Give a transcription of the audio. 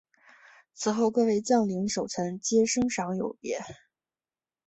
此后各位将领守臣皆升赏有别。